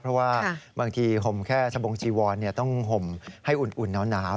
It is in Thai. เพราะว่าบางทีห่มแค่สบงจีวอนต้องห่มให้อุ่นหนาว